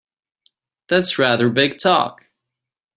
That's rather big talk!